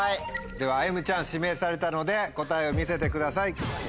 ではあゆむちゃん指名されたので答えを見せてください。